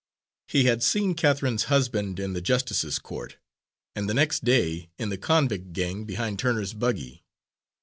He had seen Catharine's husband, in the justice's court, and the next day, in the convict gang behind Turner's buggy.